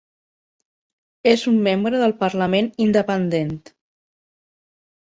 És un membre del Parlament independent.